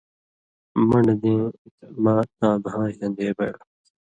من٘ڈہۡ دېں مہ تاں بھاں شن٘دے بَیلوۡ۔